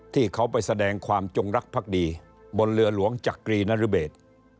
ที่เขาไปแสดงความจงรักภักดีบนเรือหลวงจักรีนรเบศ